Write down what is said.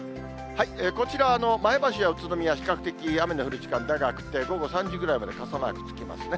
こちら、前橋や宇都宮、比較的雨の降る時間長くて、午後３時ぐらいまで傘マークつきますね。